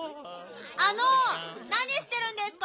あのなにしてるんですか？